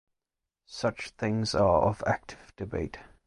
Such things are of active debate.